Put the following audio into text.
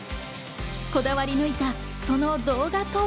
こだわり抜いた、その動画とは。